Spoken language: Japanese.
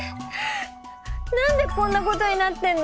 何でこんなことになってるの？